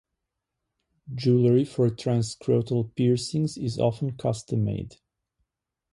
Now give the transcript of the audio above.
Jewelry for transscrotal piercings is often custom made.